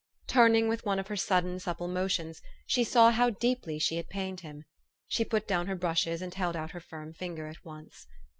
Turning with one of her sudden, supple motions, she saw how deeply she had pained him. She put down her brushes, and held out her firm finger at once.